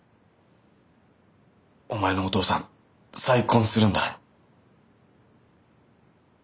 お前のお父さん再婚するんだ。